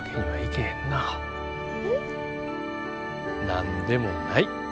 何でもない。